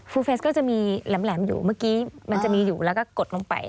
เฟสก็จะมีแหลมอยู่เมื่อกี้มันจะมีอยู่แล้วก็กดลงไป